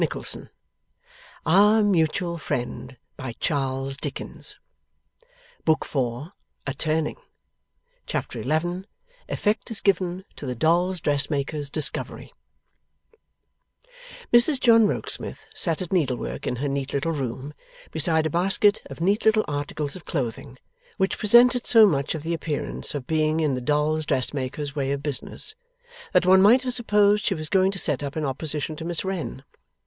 'He is conscious, Jenny,' murmured Eugene for himself. 'He knows his wife.' Chapter 11 EFFECT IS GIVEN TO THE DOLLS' DRESSMAKER'S DISCOVERY Mrs John Rokesmith sat at needlework in her neat little room, beside a basket of neat little articles of clothing, which presented so much of the appearance of being in the dolls' dressmaker's way of business, that one might have supposed she was going to set up in opposition to Miss Wren.